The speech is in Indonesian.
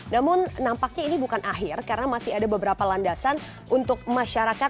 namun nampaknya ini bukan akhir karena masih ada beberapa landasan untuk masyarakat